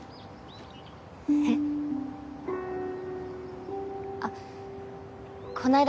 えっ？あっこないだ